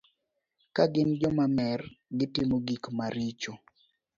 Ka gin joma mer, gitimo gik maricho.